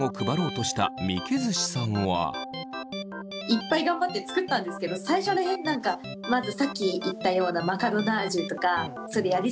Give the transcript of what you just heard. いっぱい頑張って作ったんですけど最初ら辺何かまずさっき言ったようなあなるほどね。